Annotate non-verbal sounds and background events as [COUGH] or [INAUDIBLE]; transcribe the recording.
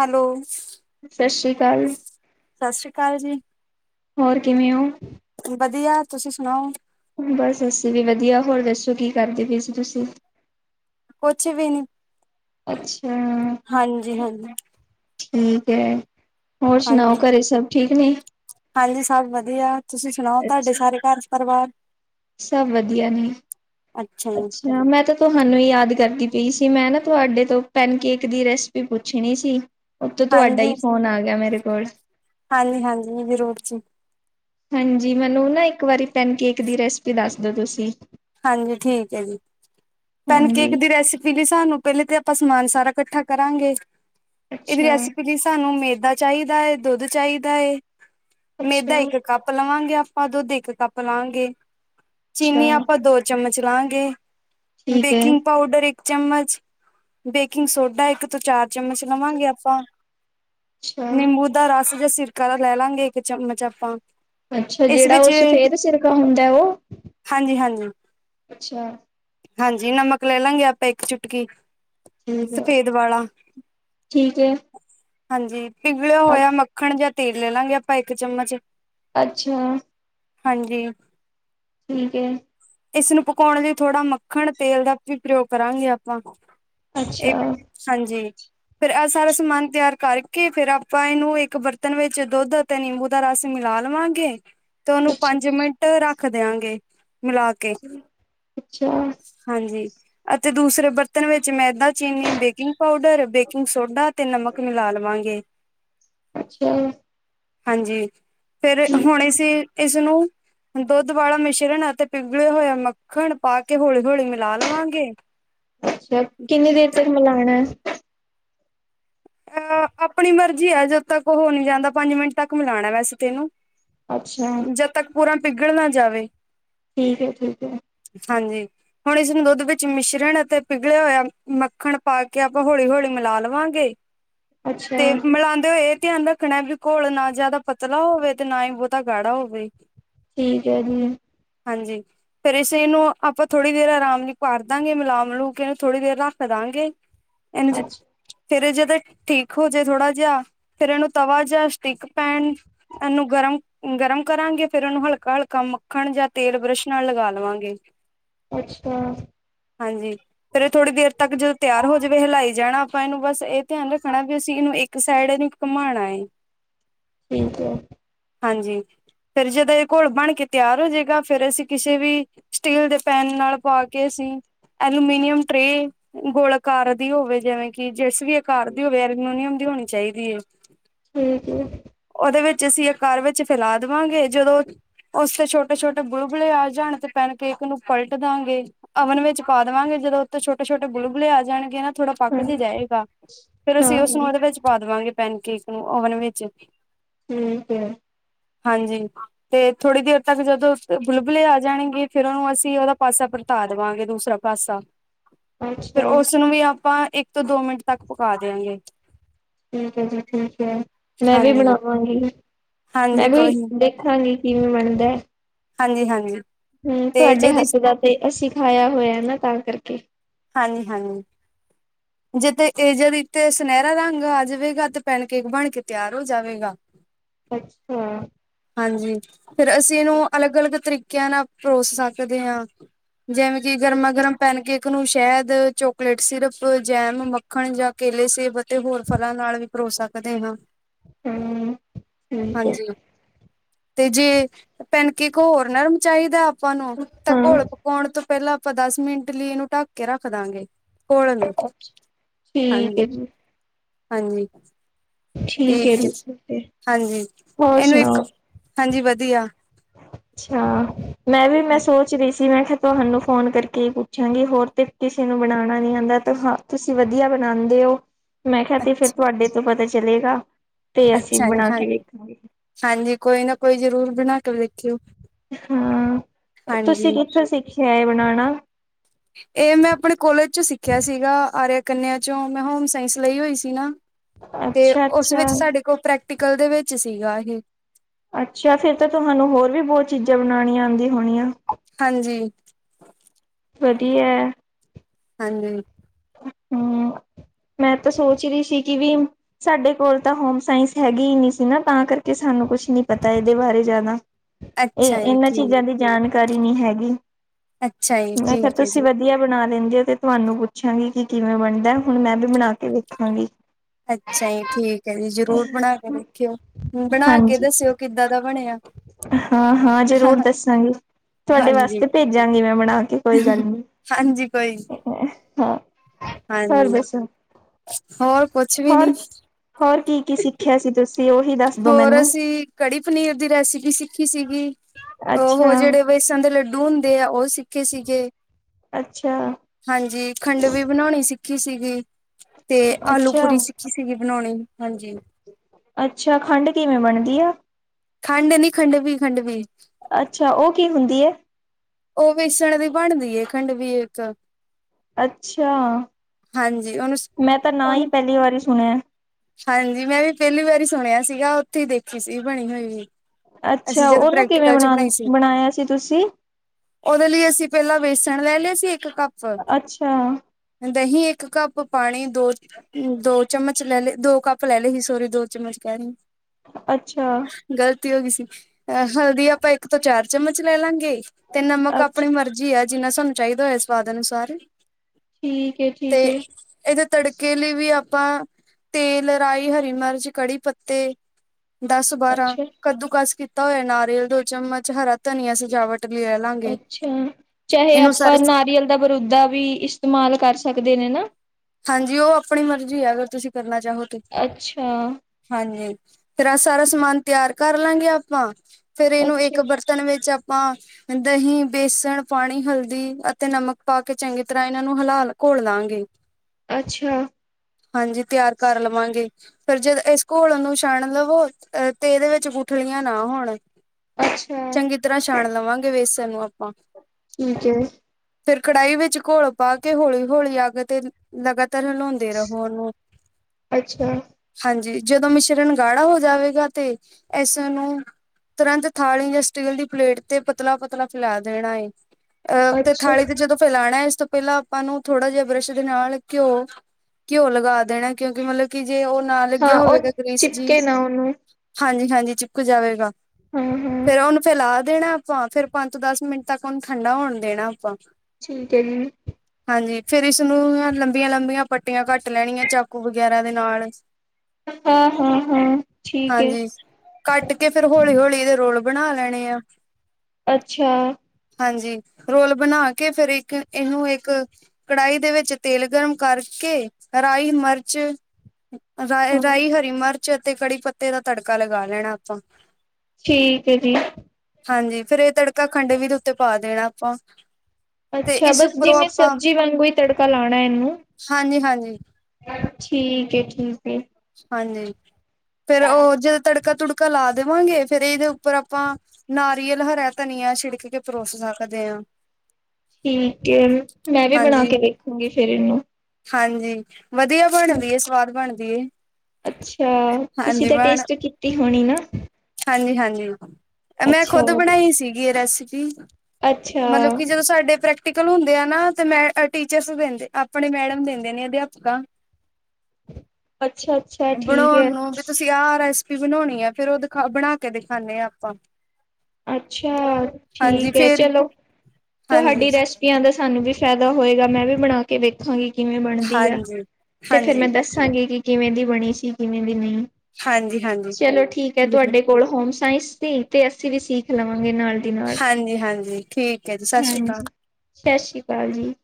Hello, ਸਤਿ ਸ਼੍ਰੀ ਅਕਾਲ ਸ ਸ਼੍ਰੀ ਕਾਲ ਜੀ। ਹੋਰ ਕਿਵੇਂ ਓ? ਵਧੀਆ ਤੁਸੀਂ ਸੁਣਾਓ? ਬਸ ਅਸੀ ਵੀ ਵਧੀਆ ਹੋਰ ਦੱਸੋ ਕੀ ਕਰਦੇ ਪੇ ਸੀ ਤੁਸੀਂ? ਕੁਛ ਵੀ ਨੀ। ਅੱਛਾ, ਹਾਂਜੀ-ਹਾਂਜੀ, ਹਾਂਜੀ। ਠੀਕ ਐ। ਸੁਣਾਓ ਹਾਂਜੀ ਘਰੇ ਸਭ ਠੀਕ ਨੇ? ਹਾਂਜੀ ਸਭ ਵਧੀਆ ਤੁਸੀਂ ਸੁਣਾਓ ਤੁਹਾਡੇ ਅੱਛਾ ਸਾਰੇ ਘਰ ਪਰਿਵਾਰ। ਸਭ ਵਧੀਆ ਨੇ। ਅੱਛਾ ਜੀ। ਮੈਂ ਤਾਂ ਤੁਹਾਨੂੰ ਯਾਦ ਕਰਦੀ ਪਈ ਸੀ ਮੈਂ ਨਾ ਤੁਹਾਡੇ ਤੋਂ ਪੈਨਕੇਕ ਦੀ ਰੈਸਿਪੀ ਪੁੱਛਣੀ ਸੀ। ਉਤੋਂ ਤੁਹਾਡਾ ਹਾਂਜੀ। ਈ ਫ਼ੋਨ ਆ ਗਿਆ ਮੇਰੇ ਕੋਲ। ਹਾਂਜੀ-ਹਾਂਜੀ ਜ਼ਰੂਰ ਜੀ। ਹਾਂਜੀ ਮੈਨੂੰ ਨਾ ਇੱਕ ਵਾਰੀ ਪੈਨਕੇਕ ਦੀ ਰੈਸਪੀ ਦੱਸ ਦੋ ਤੁਸੀਂ। ਹਾਂਜੀ ਠੀਕ ਐ ਜੀ, ਪੈਨਕੇਕ ਹਾਂਜੀ ਦੀ ਰੈਸਿ ਪੀ ਲੀ ਸਾਨੂੰ ਪੇਲੇ 'ਤੇ ਆਪਾਂ ਸਮਾਨ ਸਾਰਾ ਕੱਠਾ ਕਰਾਂਗੇ, ਏਦੀ ਅੱਛਾ ਰੈਸਿਪੀ ਲਈ ਸਾਨੂੰ ਮੇਦਾ ਚਾਈਦਾ ਏ, ਦੁੱਧ ਚਾਈਦਾ ਏ, ਮੇਦਾ ਅੱਛਾ ਇੱਕ ਕੱਪ ਲਵਾਂਗੇ, ਆਪਾਂ ਦੁੱਧ ਇੱਕ ਕੱਪ ਲਾਂਗੇ, ਅੱਛਾ ਚੀਨੀ ਆ ਦੋ ਚਮਚ ਲਾਂਗੇ, ਠੀਕ ਹੈ ਬੇਕਿੰਗ ਪਾਊਡਰ ਇੱ ਚਮਚ, ਬੇਕਿੰਗ ਸੋਡਾ ਇੱਕ ਤੋਂ ਚਾਰ ਚਮਚ ਲਵਾਂਗੇ ਆਪਾਂ ਅੱਛਾ ਨਿੰਬੂ ਦਾ ਰਸ ਜਾਂ ਸਿਰਕਾ ਦਾ ਲੈ ਲਾਂਗੇ ਇੱਕ ਚਮਚ ਆਪਾਂ। ਅੱਛਾ ਇਸ ਜੇੜਾ ਓ ਸਫ਼ੇਦ ਸਿਰਕਾ ਹੁੰਦਾ ਐ ਓ। ਹਾਂਜੀ-ਹਾਂਜੀ। ਅੱਛਾ। ਹਾਂਜੀ ਨਮਕ ਲੈ ਲਾਂਗੇ ਆਪਾਂ ਇੱਕ ਚੁਟਕੀ ਠੀਕ ਏ ਓ, ਸਫੇਦ ਵਾਲਾ ਠੀਕ ਏ। ਹਾਂਜੀ ਪਿਘਲਿਆ ਹੋਇਆ ਮੱਖਣ ਜਾਂ ਤੇਲ ਲੈ ਲਾਂਗੇ ਆਪਾਂ ਇੱਕ ਚਮਚ। ਅੱਛਾ। ਹਾਂਜੀ‌। ਠੀਕ ਏ। ਇਸਨੂੰ ਪਕਾਉਣ ਲਈ ਥੋੜਾ ਮੱਖਣ, ਤੇਲ ਦਾ ਪੀ ਪ੍ਰਯੋਗ ਕਰਾਂਗੇ ਆਪਾਂ, ਇ ਅੱਛਾ ਹਾਂਜੀ‌ ਫੇਰ ਆ ਸਾਰਾ ਸਮਾਨ ਤਿਆਰ ਕਰਕੇ ਫੇਰ ਆਪਾਂ ਏਨੂੰ ਇੱਕ ਬਰਤਨ ਵਿੱਚ ਦੁੱਧ 'ਤੇ ਨਿੰਬੂ ਦਾ ਰਸ ਮਿਲਾ ਲਵਾਂਗੇ 'ਤੇ ਉਨੂੰ ਅੱਛਾ ਪੰਜ ਮਿੰਟ ਰੱਖ ਦੇਆਗੇ। ਮੁਲਾਕ ਅੱਛਾ। ਹਾਂਜੀ ਅਤੇ ਦੂਸਰੇ ਬਰਤਨ ਵਿੱਚ ਮੈਦਾ, ਚੀਨੀ, ਬੇਕਿੰਗ ਪਾਊਡਰ, ਬੇਕਿੰਗ ਸੋਡਾ ਤੇ ਨਮਕ ਮਿਲਾ ਲਵਾਂਗੇ। ਅੱਛਾ। ਹਾਂਜੀ। ਫਿਰ ਠੀਕ ਹੁਣ ਹੈ ਏਸੇ ਇਸਨੂੰ ਦੁੱਧ ਵਾਲਾ ਮਿਸ਼ਰਣ ਅਤੇ ਪਿਗਲੇ ਹੋਏਆ ਮੱਖਣ ਪਾ ਕੇ ਹੌਲੀ-ਹੌਲੀ ਮਿਲਾ ਲਵਾਂਗੇ। ਅੱਛਾ ਕਿੰਨੀ ਦੇਰ ਤੱਕ ਮਿਲਾਣਾ? ਅਹ ਆਪਣੀ ਮਰਜ਼ੀ ਆ ਜਦੋਂ ਤੱਕ ਓ ਹੋ ਨੀ ਜਾਂਦਾ ਪੰਜ ਮਿੰਟ ਤੱਕ ਮਿਲਾਣਾ ਵੈਸੇ ਏਨੂੰ। ਅੱਛਾ ਜਦ ਤੱਕ ਪੂਰਾ ਪਿਗਲ ਨਾ ਜਾਵੇ। ਠੀਕ ਐ-ਠੀਕ ਐ। ਹਾਂਜੀ। ਹੁਣ ਇਸਨੂੰ ਦੁੱਧ ਵਿੱਚ ਮਿਸ਼ਰਣ ਅਤੇ ਪਿਘਲਿਆ ਹੋਏਆ ਮੱਖਣ ਪਾ ਕੇ ਆਪਾਂ ਹੌਲੀ-ਹੌਲੀ ਮਿਲਾ ਲਵਾਂਗੇ। ਅੱਛਾ ਤੇ ਮਿਲਾ ਏ ਧਿਆਨ ਰੱਖਣਾ ਵੀ ਘੋਲ ਨਾ ਜਾਦਾ ਪਤਲਾ ਹੋਵੇ ਤੇ ਨਾ ਈ ਬੋਤਾ ਗਾੜਾ ਹੋਵੇ। ਠੀਕ ਏ ਜੀ। ਹਾਂਜੀ। ਫੇਰ ਈਸੇ ਨੂੰ ਆਪਾਂ ਥੋੜੀ ਦੇਰ ਆਰਾਮ ਨਾਲ ਕਰਦਾਂਗੇ ਮਿਲਾ ਮਲੂ ਕੇ ਏਨੂੰ ਥੋੜ੍ਹੀ ਦੇਰ ਰੱਖਦਾਂਗੇ। ਏਨ ਅੱਛਾ ਫੇਰ ਜਦੇ ਠੀਕ ਹੋਜੇ ਥੋੜਾ ਜਿਆ ਫੇਰ ਏਨੂੰ ਤਵਾ ਜਾ ਸਟਿਕ ਪੈਨ ਏਨੂੰ ਗਰਮ ਗਰਮ ਕਰਾਂਗੇ ਫੇਰ ਏਨੂੰ ਹਲਕਾ-ਹਲਕਾ ਮੱਖਣ ਜਾਂ ਤੇਲ ਬਰੱਸ਼ ਨਾਲ ਲਗਾ ਲਵਾਂਗੇ। ਅੱਛਾ। ਹਾਂਜੀ ਫੇਰ ਏ ਥੋੜੀ ਦੇਰ ਤੱਕ ਜਦੋਂ ਤਿਆਰ ਹੋ ਜਵੇ ਹਿਲਾਈ ਜਾਣਾ ਆਪਾਂ ਏਨੂੰ ਬਸ ਏ ਧਿਆਨ ਰੱਖਣਾ ਵੀ ਅਸੀਂ ਐਨੂੰ ਇੱਕ ਸਾਈਡ ਨੂੰ ਘੁਮਾਣਾ ਏ। ਠੀਕ ਐ। ਹਾਂਜੀ ਫਿਰ ਜਦ ਏ ਘੋਲ ਬਣ ਕੇ ਤਿਆਰ ਹੋਜਏਗਾ ਫੇਰ ਅਸੀਂ ਕਿਸੇ ਵੀ ਸਟੀਲ ਦੇ ਪੈਨ ਨਾਲ ਪਾ ਕੇ ਅਸੀਂ ਐਲੂਮੀਨੀਅਮ ਟਰੇੇ ਗੋਲਾਕਾਰ ਦੀ ਹੋਵੇ ਜਿਵੇਂ ਕਿ ਜਿਸ ਵੀ ਘਰ ਦੀ ਹੋਵੇ ਅਲਮੂਨੀਅਮ ਦੀ ਹੋਣੀ ਚਾਈਦੀ ਏ। ਠੀਕ ਐ। ਓਦੇ ਵਿੱਚ ਅਸੀਂ ਆਕਾਰ ਵਿੱਚ ਫੈਲਾ ਦੇਵਾਂਗੇ ਜਦੋਂ ਓਸ ਤੇ ਛੋਟੇ-ਛੋਟੇ ਬੁਲਬੁਲੇ ਆ ਜਾਣ ਤੇ ਪੈਣ ਕੇਕ ਨੂੰ ਪਲਟਦਾਂਗੇ। ਅਵਨ ਵਿੱਚ ਪਾ ਦਵਾਂਗੇ ਜਦੋਂ ਓਤੇ ਛੋਟੇ-ਛੋਟੇ ਬੁਲੁਬੁਲੇ ਆ ਜਾਣਗੇ ਨਾ ਥੋੜ੍ਹਾ ਹਾਂ ਪੱਕ ਜੇ ਜਾਏਗਾ। ਫਿਰ ਹਾਂ ਅਸੀਂ ਓਸਨੂੰ ਹਾਂ ਓਦੇ ਵਿੱਚ ਪਾ ਦੇਵਾਂਗੇ ਪੈਨਕੇਕ ਨੂੰ ਅਵਨ ਵਿੱਚ। ਹੂੰ-ਹੂੰ। ਹਾਂਜੀ। ਤੇ ਥੋੜੀ ਦੇਰ ਤੱਕ ਜਦੋਂ ਬੁਲਬੁਲੇ ਆ ਜਾਣਗੇ ਫ਼ਿਰ ਓਨੂੰ ਅਸੀਂ ਓਦਾ ਪਾਸਾ ਤਾ ਦੇਵਾਂਗੇ ਦੂਸਰਾ ਪਾਸਾ। ਫੇਰ ਅੱਛਾ ਓਸਨੂੰ ਵੀ ਆਪਾਂ ਇੱਕ ਦੋ ਮਿੰਟ ਤੱਕ ਪਕਾ ਦਿਆਂਗੇ। ਠੀਕ ਐ ਜੀ ਠੀਕ ਐ ਮੈਂ ਵੀ ਹਾਂਜੀ ਬਣਾਵਾਂਗੀ। ਮੈਂ ਹਾਂਜੀ ਵੀ ਕੋਈ ਨੀ ਦੇਖਾਂਗੀ ਕਿਵੇਂ ਬਣਦਾ। ਹਾਂਜੀ ਹਾਂਜੀ। ਹੂੰ ਤੇ ਤੁਹਾਡੇ ਜਦ ਇਸ ਹੱਥ ਦਾ ਤੇ ਅਸੀਖਾਇਆ ਹੋਏਆ ਨਾ ਤਾਂ ਕਰਕੇ। ਹਾਂਜੀ-ਹਾਂਜੀ। ਜੇ ਤੇ ਏ ਜਦ ਇਦੇ ਸੁਨੇਰਾ ਰੰਗ ਆ ਜਾਵੇਗਾ ਤੇ ਪੈਨਕੇਕ ਬਣ ਕੇ ਤਿਆਰ ਹੋ ਜਾਵੇਗਾ। [INAUDIBLE] [UNINTELLIGIBLE] ਹਾਂਜੀ, ਫੇਰ ਅਸੀਂ ਏਨੂੰ ਹੂੰ ਅਲੱਗ-ਅਲੱਗ ਤਰੀਕਿਆਂ ਨਾਲ ਪਰੋਸ ਸਕਦੇ ਆਂ। ਜੈਵੇਂ ਕਿ ਠੀਕ ਹੈ ਗਰਮਾ-ਗਰਮ ਪੈਣ ਨੂੰ ਸ਼ੈਦ, ਚੋਕਲੇਟ ਸਿਰਪ, ਜੈਮ, ਮੱਖਣ ਜਾਂ ਕੇਲੇ ਸੇਬ ਅਤੇ ਹੋਰ ਫਲਾਂ ਨਾਲ ਪਰੋ ਸਕਦੇ ਹਾਂ। ਹੂੰ। ਹਾਂਜੀ, ਤੇ ਜੇ ਪੈਨਕੇਕ ਹੋਰ ਨਰਮ ਚਾਈਦਾ ਆਪਾਂ ਨੂੰ ਤਾਂ ਘੋਲ ਪਕਾਉਣ ਤੋਂ ਪੈਲਾਂ ਆਪਾਂ ਦਸ ਮਿੰਟ ਲਈ ਏਨੂੰ ਢੱਕ ਕੇ ਰੱਖ ਦਾਂਗੇ। ਘੋਲ ਨੂੰ, ਹੈ ਜੀ ਹਾਂਜੀ-ਹਾਂਜੀ। ਠੀਕ ਹੈ ਜੀ ਐ, ਹੈ। ਹਾਂਜੀ, ਹੋਰ ਏਨੂੰ ਇੱਕ ਸੁਣਾਓ? ਹਾਂਜੀ ਵਧੀਆ। ਅੱਛਾ, ਮੈਂ ਵੀ ਮੈਂ ਸੋਚ ਰੀ ਸੀ ਮੈਂ ਕੇਯਾ ਤੁਹਾਨੂੰ ਫ਼ੋਨ ਕਰਕੇ ਹੀ ਪੁੱਛਾਂਗੀ, ਹੋਰ ਤਾਂ ਕਿਸੇ ਨੂੰ ਬਣਾਣਾ ਨਈਂ ਆਂਦਾ ਤੁਸੀਂ ਵਧੀਆ ਬਣਾਦੇਓ ਮੈਂ ਕੇਯਾ ਤੇ ਫੇਰ ਤੁਹਾਡੇ ਤੋਂ ਪਤਾ ਚਲੇਗਾ। ਤੇ ਅਸੀਂ ਅੱਛਾ ਜੀ ਬਣਾ ਕੇ ਹਾਂਜੀ, ਵੇਖਾਂਗੇ। ਹਾਂਜੀ ਕੋਈ ਨਾ ਕੋਈ ਜਰੂਰ ਬਣਾ ਕੇ ਵੇਖਿਓ। ਹਾਂ, ਤੁਸੀਂ ਕਿੱਥੋਂ ਸਿੱਖਿਆ ਏ ਬਣਾਣਾ? ਏ ਮੈਂ ਆਪਣੇ ਕੋਲਜ ਚ ਸਿੱਖਿਆ ਸੀਗਾ, ਆਰਿਆ ਕੰਨਿਆ ਚੋਂ। ਮੈਂ ਹੋਮ ਸਾਇੰਸ ਲਈ ਹੋਈ ਸੀ ਨਾ। ਤੇ ਅੱਛਾ ਓਸ ਅੱਛਾ। ਵਿੱਚ ਸਾਡੇ ਕੋਲ ਪ੍ਰੈਕਟੀਕਲ ਦੇ ਵਿੱਚ ਸੀਗਾ ਏਹ। ਅੱਛਾ ਫੇਰ ਤੇ ਤੁਹਾਨੂੰ ਹੋਰ ਵੀ ਬਹੁਤ ਚੀਜ਼ਾਂ ਬਣਾਉਣੀਆਂ ਆਉਂਦੀਆਂ ਹੋਣੀਆਂ। ਹਾਂਜੀ। ਵਧੀਐ। ਹਾਂਜੀ। ਹਮ ਮੈਂ ਤੇ ਸੋਚ ਰੀ ਸੀ ਕਿ ਵੀ ਸਾਡੇ ਕੋਲ ਤਾਂ ਹੋਮ ਸਾਇੰਸ ਹੈਗੇ ਹੀ ਨਹੀਂ ਸੀ ਨਾ ਤਾਂ ਕਰਕੇ ਸਾਨੂੰ ਕੁਛ ਨੀ ਪਤਾ ਏਦੇ ਬਾਰੇ ਜਾਦਾ। ਏ ਅੱਛਾ ਜੀ ਏਹਨਾਂ ਠੀਕ ਚੀਜ਼ਾਂ ਦੀ ਜਾਣਕਾਰੀ ਨੀਂ ਹੈਗੀ, ਅੱਛਾ ਜੀ ਮੈਂ ਕੇਆ ਠੀਕ ਹੈ ਤੁਸੀਂ ਜੀ ਵਧੀਆ ਵਧੀਆ ਬਣਾ ਲਿੰਦੇਓ ਤੇ ਤੁਆਨੂੰ ਪੁੱਛਾਂਗੀ ਕਿ ਕਿਵੇਂ ਬਣਦਾ ਹੁਨ ਮੈਂ ਵੀ ਬਣਾ ਕੇ ਵੇਖਾਂਗੀ। ਅੱਛਾ ਈ, ਠੀਕ ਐ ਜੀ, ਜਰੂਰ ਬਣਾ ਕੇ ਦੇਖਿਓ, ਬਣਾ ਕੇ ਦੱਸਿਓ ਕਿ ਹਾਂ-ਹਾਂ, ਜਰੂਰ ਦੱਸਾਂਗੀ। ਤੁਆਡੇ ਹਾਂਜੀ। ਵਾਸਤੇ ਭੇਜਾਂਗੀ ਮੈਂ ਬਣਾ ਕੇ, ਕੋਈ ਗੱਲ ਨੀ, ਹਾਂਜੀ ਹਾਂ। ਹੋਰ ਹਾਂਨੀ। ਦੱਸੋ ਹੋਰ ਹੋਰ ਕੀ-ਕੀ ਸਿੱਖਿਆ ਸੀ ਤੁਸੀਂ, ਹੋਰ? ਹੋਰ ਅਸੀਂ ਕੜੀ ਪਨੀਰ ਦੀ ਰੈਸਿਪੀ ਸਿੱਖੀ ਸੀਗੀ, ਅੱਛਾ ਓ ਜੇੜੇ ਵੇਸਣ ਦੇ ਲੱਡੂ ਹੁੰਦੇ ਆ, ਓ ਸਿੱਖੇ ਸੀਗੇ। ਅੱਛਾ ਹਾਂਜੀ, ਖੰਡਵੀ ਬਣਾਉਣੀ ਸਿੱਖੀ ਸੀਗੀ। ਤੇ ਅੱਛਾ ਆਲੂ-ਪੂਰੀ ਸਿੱਖੀ ਸੀਗੀ ਬਣਾਉਣੀ, ਹਾਂਜੀ। ਅੱਛਾ, ਖੰਡ ਕਿਵੇਂ ਬਣਦੀ ਆ? ਖਾਡ ਨੀ, ਖੰਡਵੀ-ਖੰਡਵੀ। ਅੱਛਾ, ਓ ਕੀ ਹੁੰਦੀ ਏ? ਓ ਵੇਸਣ ਦੀ ਬਣਦੀ ਏ, ਖੰਡਵੀ ਇੱਕ। ਅੱਛਾ, ਹਾਂਜੀ ਉਹਨੂੰ ਮੈਂ ਤਾਂ ਨਾਂ ਈ ਉਹਨੂੰ ਪੈਲੀ ਵਾਰੀ ਸੁਨੇਆ। ਹਾਂਜੀ, ਮੈਂ ਵੀ ਪੈਲੀ ਵਾਰੀ ਸੁਣਿਆ ਸੀਗਾ, ਉੱਥੇਈ ਦੇਖੀ ਸੀ ਬਣੀ ਹੋਈ। ਅਸੀਂ ਅੱਛਾ, ਜਦੋਂ ਓਨੂੰ ਕਿਵੇਂ ਪ੍ਰੈਕਟੀਕਲ ਚ ਬਣਾ ਬਣਾਇਆ ਸੀ ਤੁਸੀ? ਓਦੇ ਲਈ ਅਸੀ ਪੈਲਾਂ ਵੇਸਣ ਲੈ ਲਿਆ ਸੀ, ਇੱਕ ਕੱਪ ਅੱਛਾ। ਦਹੀਂ, ਇੱਕ ਕੱਪ ਪਾਣੀ ਦੋ ਦੋ ਚਮਚ ਲੈ ਲਏ ਦੋ ਕੱਪ ਲੈ ਲਏ ਸੀ ਸੋਰੀ ਦੋ ਚਮਚ ਕਹਿਣ ਰਹੀ ਆਂ ਅੱਛਾ ਗ਼ਲਤੀ ਹੋ ਗਈ ਸੀ ਅ ਹਲਦੀ ਆਪਾਂ ਇੱਕ ਤੋਂ ਚਾਰ ਚਮਚ ਲੈ ਲਾਂਗੇ ਤੇ ਨਮਕ ਅੱਛਾ ਆਪਣੀ ਮਰਜ਼ੀ ਜੀ ਆ ਜਿੰਨਾ ਸਾਨੂੰ ਚਾਹੀਦਾ ਹੋਇਆ ਸਵਾਦ ਅਨੁਸਾਰ ਠੀਕ ਹੈ ਤੇ ਠੀਕ ਹੈ ਇਹਦੇ ਤੜਕੇ ਕੇ ਲਈ ਵੀ ਆਪਾਂ ਤੇਲ ਰਾਈ ਹਰੀ ਮਿਰਚ ਕੜੀ ਪੱਤੇ ਦਸ ਬਾਰਾਂ ਅੱਛਾ ਕੱਦੂ ਕਸ ਕੀਤਾ ਹੋਇਆ ਨਾਰੀਅਲ ਦੋ ਚਮਚ ਹਰਾ ਧਨੀਆ ਸਜਾਵਟ ਲਈ ਲੈ ਲਾਂਗੇ ਅੱਛਾ ਚਾਹੇ ਇਹਨੂੰ ਸਾਰੇ ਆਪਾਂ ਨਾਰੀਅਲ ਦਾ ਬਰੂਦਾ ਵੀ ਇਸਤੇਮਾਲ ਕਰ ਸਕਦੇ ਨੇ ਨਾ ਹਾਂਜੀ ਉਹ ਆਪਣੀ ਮਰਜ਼ੀ ਹੈ ਅਗਰ ਤੁਸੀਂ ਕਰਨਾ ਚਾਹੋ ਤੇ ਅੱਛਾ ਹਾਂਜੀ ਫੇਰ ਆਹ ਸਾਰਾ ਸਮਾਨ ਤਿਆਰ ਕਰ ਲਾਂਗੇ ਆਪਾਂ ਫੇਰ ਇਹਨੂੰ ਅੱਛਾ ਇੱਕ ਬਰ ਤਨ ਵਿੱਚ ਆਪਾਂ ਦਹੀਂ ਬੇਸਣ ਪਾਣੀ ਹਲਦੀ ਅਤੇ ਨਮਕ ਪਾ ਕੇ ਚੰਗੀ ਤਰ੍ਹਾਂ ਇਹਨਾਂ ਨੂੰ ਹਲਾ ਘੋਲ ਲਾਂਗੇ ਅੱਛਾ ਹਾਂਜੀ ਤਿਆਰ ਕਰ ਲਵਾਂਗੇ ਫਿਰ ਜਦ ਇਸ ਘੋਲ ਨੂੰ ਛਾਣ ਲਵੋ ਅ ਤੇ ਇਹਦੇ ਵਿੱਚ ਗੁਠਲੀਆਂ ਨਾ ਹੋਣ ਅੱਛਾ ਚੰਗੀ ਤਰ੍ਹਾਂ ਛਾਣ ਲਵਾਂਗੇ ਵੇਸੇ ਨੂੰ ਆਪਾਂ ਠੀਕ ਹੈ। ਫੇਰ ਕੜਾਹੀ ਵਿੱਚ ਘੋਲ ਪਾ ਕੇ ਹੌਲੀ-ਹੌਲੀ ਅੱਗ ਤੇ ਲਗਾਤਾਰ ਹਲਾਦੇ। ਦੇ ਰਹੋ ਉਹਨੂੰ। ਅੱਛਾ-ਅੱਛਾ ਹਾਂਜੀ ਜਦੋਂ ਮਿਸ਼ਰਣ ਗਾੜਾ ਹੋ ਜਾਵੇਗਾ ਤੇ ਇਸ ਨੂੰ। ਤਰੰਤ ਥਾਲੀ ਜਾਂ ਸਟੀਲ ਦੀ ਪਲੇਟ ਤੇ ਪਤਲਾ- ਪਤਲਾ ਫੈਲਾ ਦੇਣਾ ਏ। ਅਹ ਤੇ ਥਾਲੀ ਤੇ ਜਦੋਂ ਫੈਲਾਣਾ ਹੈ ਇਸ ਤੋਂ ਪਹਿਲਾਂ ਆਪਾਂ ਨੂੰ ਥੋੜਾ ਜਿਹਾ ਬ੍ਰਸ਼। ਦੇ ਨਾਲ ਘਿਓ-ਘਿਓ ਲਗਾ ਦੇਣਾ ਕਿਉਂਕਿ ਮਤਲਬ। ਕਿ ਜੇ ਉਹ ਨਾ ਹਾਂ ਲੱਗਿਆ ਉਹ ਹੋਵੇਗਾ ਗ੍ਰੀਸ ਜੀ। ਚਿਪਕੇ ਨਾ ਉਹਨੂੰ ਹਾਂਜੀ-ਹਾਂਜੀ ਚਿੱਪਕ ਜਾਵੇਗਾ ਹਾਂ-ਹਾਂ ਫੇਰ ਉਹਨੂੰ। ਫੇਲਾ ਦੇਣਾ ਆਪਾਂ ਫੇਰ ਪੰਜ ਦਸ ਮਿੰਟ ਤੱਕ ਉਹਨੂੰ ਠੰਡਾ ਹੋਣ ਦੇਣਾ ਆਪਾਂ। ਠੀਕ ਹੈ ਜੀ। ਹਾਂਜੀ ਫੇਰ ਇਸ ਨੂੰ ਲੰਬੀਆਂ ਲੰਬੀਆਂ ਪੱਟੀਆਂ ਕੱਟ ਲੈਣੀਆਂ ਚਾਕੂ ਵਗੈਰਾ ਦੇ ਨਾਲ। ਹਾਂ-ਹਾਂ-ਹਾਂ ਠੀਕ ਹੈ ਹਾਂਜੀ। ਕੱਟ ਕੇ ਫੇਰ ਹੌਲੀ ਹੌਲੀ ਇਹਦੇ ਰੋਲ ਬਣਾ ਲੈਣੇ ਆ। ਅੱਛਾ। ਹਾਂਜੀ ਰੋਲ ਬਣਾ ਕੇ ਫੇਰ ਇੱਕ ਇਹਨੂੰ ਇੱਕ ਕੜਾਹੀ। ਦੇ ਵਿੱਚ ਤੇਲ ਗਰਮ ਕਰਕੇ ਰਾਈ ਮਿਰਚ ਰ ਹਾਂ ਰਾਈ ਹਰੀ ਮਿਰਚ। ਅਤੇ ਕੜੀ ਪੱਤੇ ਦਾ ਤੜਕਾ ਲਗਾ ਲੈਣਾ ਆਪਾਂ। ਠੀਕ ਹੈ ਜੀ। ਹਾਂਜੀ ਫੇਰ ਇਹ ਤੜਕਾ ਖੰਡ ਵੀ ਦੇ ਉੱਤੇ ਪਾ ਦੇਣਾ ਆਪਾਂ। ਤੇ ਅੱਛਾ ਇਸ ਬਸ ਉੱਪਰੋਂ ਜਿਵੇਂ ਸਬਜ਼ੀ ਵਾਂਗੂ ਹੀ ਤੜਕਾ ਲਾਉਣਾ ਇਹਨੂੰ ਹਾਂਜੀ-ਹਾਂਜੀ। ਠੀਕ ਏ ਠੀਕ ਏ ਹਾਂਜੀ, ਫੇਰ ਉਹ ਜਦੋਂ ਤੜਕਾ ਤੁੜਕਾ ਲਾ ਦੇਵਾਂਗੇ ਫੇਰ ਇਹਦੇ ਉਪਰ ਆਪਾਂ। ਨਾਰੀਅਲ ਹਰਾ ਧਨੀਆ ਛਿੜਕ ਕੇ ਪਰੋਸ ਸਕਦੇ ਆ ਠੀਕ ਏ ਮੈਂ ਵੀ ਬਣਾ ਹਾਂਜੀ ਕੇ ਵੇਖੂੰਗੀ ਫੇਰ ਇਹਨੂੰ। ਹਾਂਜੀ, ਵਧੀਆ ਬਣਦੀ ਏ ਸਵਾਦ ਬਣਦੀ ਏ ਅੱਛਾ, ਤੁਸੀਂ ਹਾਂਜੀ ਤਾਂ ਟੇਸਟ ਕੀਤੀ ਹੋਣੀ ਨਾ। ਹਾਂਜੀ-ਹਾਂਜੀ। ਐ ਮੈਂ ਅੱਛਾ ਖੁਦ ਵਧੀਆ ਬਣਾਈ ਸੀਗੀ ਏ ਰੈਸਿਪੀ ਅੱਛਾ ਮਤਲਬ ਕਿ ਜਦੋਂ ਸਾਡੇ ਪ੍ਰੈਕ ਕਟੀਕਲ ਹੁੰਦੇ ਆ ਨਾ ਮ ਟੀਚਰਸ ਦਿੰਦੇ ਆਪਣੇ ਮੈਡਮ ਦਿੰਦੇ ਨੇ ਅਧਿਆਪਕਾਂ। ਅੱਛਾ-ਅੱਛਾ ਠੀਕ ਹੈ ਬਣਾਉਣ ਨੂੰ ਵੀ ਤੁਸੀਂ ਆ ਰੇਸ ਪੀ ਬਣਾਉਣੀ ਆ ਫੇਰ ਉਹ ਦਿਖਾ ਬਣਾ ਕੇ ਦਿਖਾਨੇ ਆ ਆਪਾ। ਅੱਛਾ ਠੀਕ ਐ ਫੇਰ ਚਲੋ ਹਾਂਜੀ ਤੁਹਾਡੀ ਰੈਸ ਰੈਸਪੀਆਂ ਦਾ ਸਾਨੂੰ ਵੀ ਫੇਦਾ ਹੋਏਗਾ ਮੈਂ ਵੀ ਬਣਾ ਕੇ ਵੇਖਾਂਗੀ ਕਿਵੇਂ ਬਣਦੀ ਐ ਹਾਂਜੀ ਤੇ ਫੇਰ ਮੈਂ ਹਾਂਜੀ ਦੱਸਾਂਗੀ ਕਿ ਕਿਵੇਂ ਦੀ ਬਣੀ ਸੀ ਕਿਵੇਂ ਦੀ ਨਈ ਹਾਂਜੀ ਹਾਂਜੀ ਚਲੋ ਠੀਕ ਐ ਜ਼ਰੂਰ, ਤੁਹਾਡੇ ਕੋਲ ਹੋਮ ਸਾਇੰਸ ਤੀਕ ਏ ਅਸੀਂ ਵੀ ਸਿੱਖ ਲਵਾਂਗੇ ਨਾਲ ਦੀ ਨਾਲ। ਹਾਂਜੀ-ਹਾਂਜੀ ਠੀਕ ਐ ਜੀ, ਸਸ ਸ੍ਰੀ ਕਾਲ। ਸਸ ਸ੍ਰੀ ਕਾਲ ਜੀ।